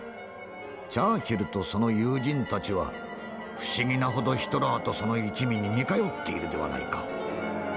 チャーチルとその友人たちは不思議なほどヒトラーとその一味に似通っているではないか」。